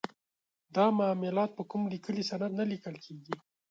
دا معاملات په کوم لیکلي سند نه لیکل کیږي.